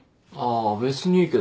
あ別にいいけど。